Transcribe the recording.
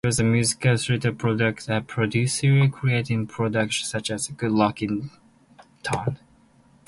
He was a musical theatrical producer creating productions such as "Good Rockin' Tonite".